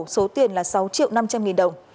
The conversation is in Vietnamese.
số tiền là sáu triệu năm trăm linh nghìn đồng